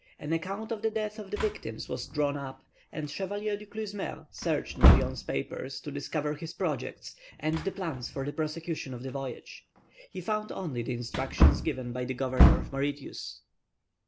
An account of the death of the victims was drawn up, and Chevalier Du Clesmeur searched Marion's papers to discover his projects, and the plans for the prosecution of the voyage. He found only the instructions given by the Governor of Mauritius.